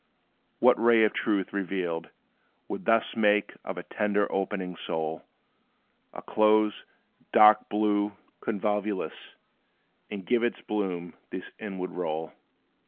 What ray of truth, revealed, would thus Make of a tender opening soul A close, dark blue convolvulus, And give its bloom this inward roll?